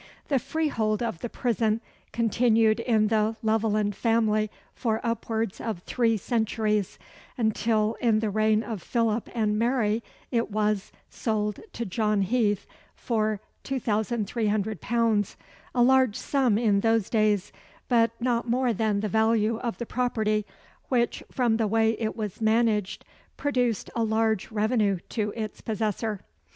The freehold of the prison continued in the Leveland family for upwards of three centuries; until, in the reign of Philip and Mary it was, sold to John Heath for £2300 a large sum in those days, but not more than the value of the property, which from the way it was managed produced a large revenue to its possessor.